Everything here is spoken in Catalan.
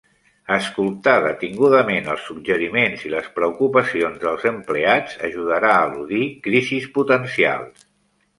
Escoltar detingudament els suggeriments i les preocupacions del empleats ajudarà a eludir crisis potencials.